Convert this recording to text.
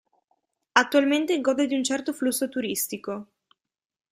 Attualmente gode di un certo flusso turistico.